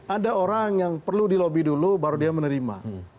ada orang yang perlu dilobi dulu baru dia menerima